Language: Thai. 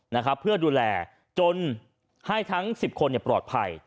นะครับเพื่อดูแลจนให้ทั้ง๑๐คนปลอดภัย